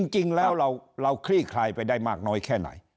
จริงแล้วเราคลี่คลายไปได้มากน้อยแค่ไหน